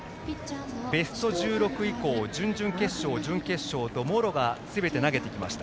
ベスト１６以降準々決勝、準決勝と茂呂がすべて投げてきました。